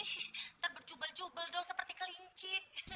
kita berjubel jubel dong seperti kelinci